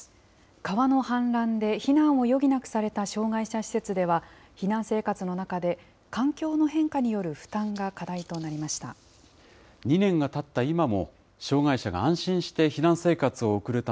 川の氾濫で避難を余儀なくされた障害者施設では、避難生活の中で環境の変化による負担が課題になりました。